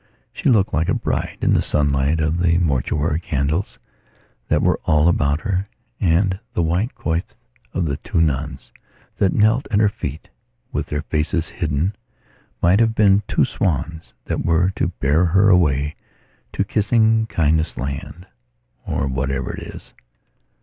She looked like a bride in the sunlight of the mortuary candles that were all about her, and the white coifs of the two nuns that knelt at her feet with their faces hidden might have been two swans that were to bear her away to kissing kindness land, or wherever it is.